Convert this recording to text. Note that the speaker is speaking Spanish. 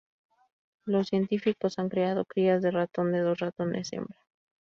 Los científicos han creado crías de ratón de dos ratones hembra.